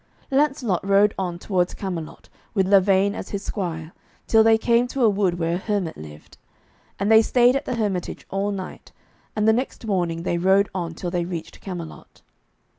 Lancelot rode on towards Camelot, with Lavaine as his squire, till they came to a wood where a hermit lived. And they stayed at the hermitage all night, and the next morning they rode on till they reached Camelot.